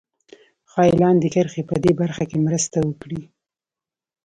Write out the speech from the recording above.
ښایي لاندې کرښې په دې برخه کې مرسته وکړي